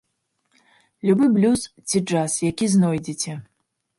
Любы блюз ці джаз, які знойдзеце!